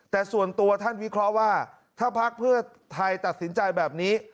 แต่ส่วนตัวท่านวิเคราะห์ว่าถ้าพักเพื่อไทยตัดสินใจแบบนี้